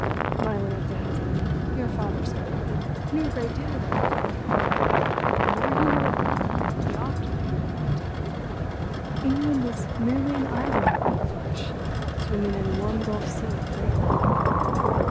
My lamented husband, your father, Sonia, knew a great deal about England. But the more he knew about it the oftener he remarked to me, 'England is merely an island of beef flesh swimming in a warm gulf sea of gravy.